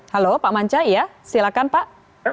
halo pak manca ya silahkan pak